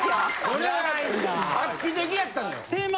これは画期的やったのよ。